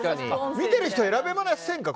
見てる人選べませんか？